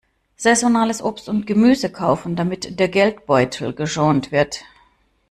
Saisonales Obst und Gemüse kaufen, damit der Geldbeutel geschont wird.